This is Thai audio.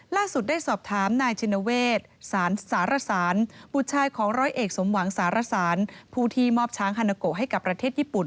ล่าสุดได้ดีสอบถามนายชินะเวทศารสารมูลชายของร้อยเอกสมวังศารสารภูทีมอบช้างฮานาโกะให้กับประเทศญี่ปุ่น